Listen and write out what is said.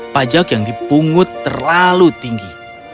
pajak yang dipungut terlalu tinggi